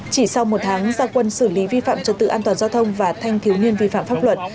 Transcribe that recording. chỉ sau một tháng gia quân xử lý vi phạm trật tự an toàn giao thông và thanh thiếu niên vi phạm pháp luật